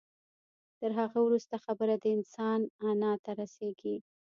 تر هغه وروسته خبره د انسان انا ته رسېږي.